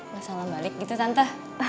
gak salam balik gitu tante